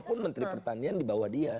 walaupun menteri pertanian di bawah dia